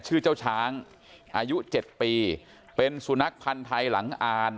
ชื่อเจ้าช้างอายุ๗ปีเป็นสุนัขพันธ์ไทยหลังอ่าน